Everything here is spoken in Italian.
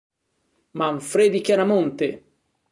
Manfredi Chiaramonte